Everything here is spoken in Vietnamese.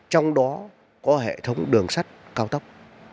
trong đó có hệ thống đường sắt cao tốc